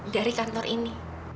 dari kantor ini